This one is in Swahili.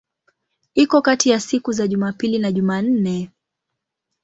Iko kati ya siku za Jumapili na Jumanne.